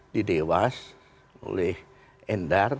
didewas oleh endar